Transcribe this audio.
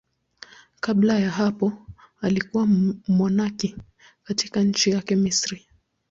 Kabla ya hapo alikuwa mmonaki katika nchi yake, Misri.